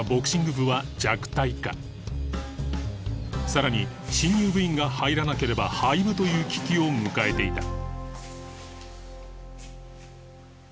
さらに新入部員が入らなければ廃部という危機を迎えていた